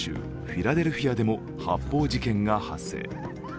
フィラデルフィアでも発砲事件が発生。